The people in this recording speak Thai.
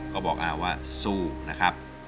ก็บอกอาว่าสู้นะครับ